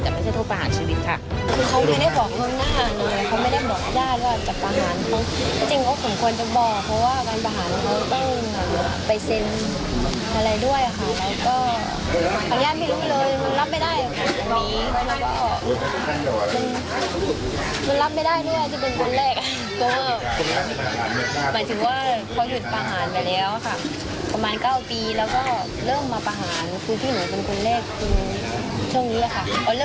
แต่ไม่ใช่โทษประหารชีวิตค่ะเขาก็ไม่ได้บอกเครื่องหน้าเลย